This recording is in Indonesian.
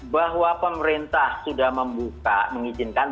bahwa pemerintah sudah membuka mengizinkan